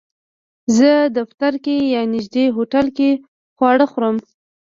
زه دفتر کې یا نږدې هوټل کې خواړه خورم